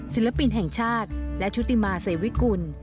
ศิลปินแห่งชาติและชุติมาเสวิกุล